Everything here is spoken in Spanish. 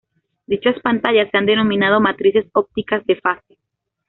Dichas pantallas se han denominado matrices ópticas de fase.